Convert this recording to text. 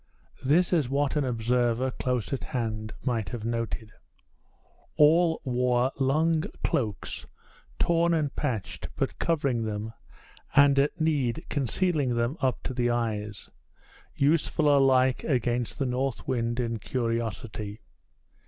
This is what an observer close at hand might have noted. All wore long cloaks, torn and patched, but covering them, and at need concealing them up to the eyes; useful alike against the north wind and curiosity.